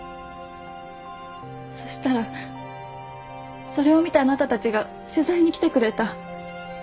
そしたらそれを見たあなたたちが取材に来てくれた。